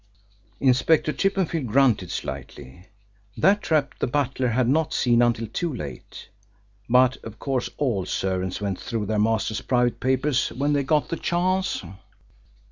Inspector Chippenfield grunted slightly. That trap the butler had not seen until too late. But of course all servants went through their masters' private papers when they got the chance.